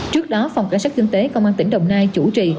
trước đó phòng cảnh sát kinh tế công an tỉnh đồng nai chủ trì